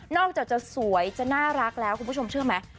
อกจากจะสวยจะน่ารักแล้วคุณผู้ชมเชื่อไหม